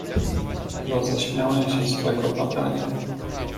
"Roześmiałem się z tego badania."